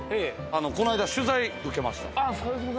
この間、取材を受けました。